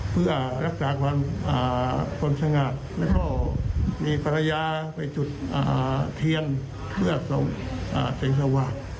เพื่อรักษากลอนคนชะงัดแล้วก็มีภรรยาไปจุดเทียนเพื่อส่งเศรษฐวาค